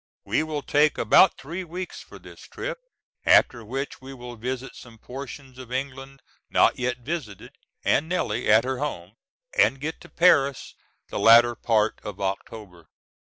We will take about three weeks for this trip, after which we will visit some portions of England not yet visited, and Nellie at her home, and get to Paris the latter part of October.